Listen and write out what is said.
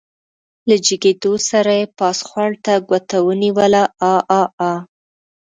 له جګېدو سره يې پاس خوړ ته ګوته ونيوله عاعاعا.